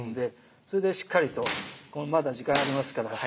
それでしっかりとまだ時間ありますから練習して。